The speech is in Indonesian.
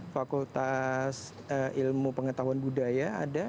fakultas ilmu pengetahuan budaya ada